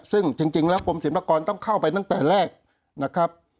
ซึ่งจริงแล้วกรมศิลปากรต้องเข้าไปตั้งแต่แรกนะครับ